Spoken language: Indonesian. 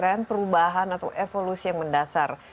tren perubahan atau evolusi yang mendasar